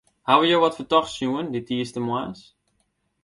Hawwe jo wat fertochts sjoen dy tiisdeitemoarns?